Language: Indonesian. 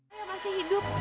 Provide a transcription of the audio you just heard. ayah masih hidup